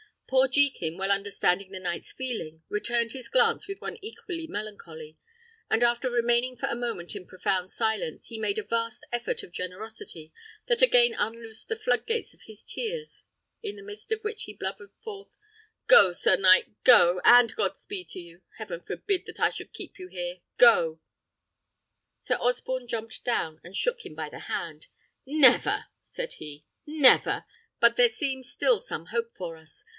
Poor Jekin, well understanding the knight's feeling, returned his glance with one equally melancholy; and after remaining for a moment in profound silence, he made a vast effort of generosity that again unloosed the flood gates of his tears, in the midst of which he blubbered forth: "Go, sir knight, go, and God speed you! Heaven forbid that I should keep you here! Go!" Sir Osborne jumped down, and shook him by the hand. "Never!" said he, "never! But there seems still some hope for us.